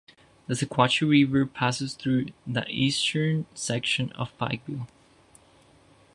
The Sequatchie River passes through the eastern section of Pikeville.